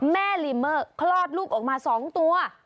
แม่ลีเมอร์เล่นลูกออกมาสองตัว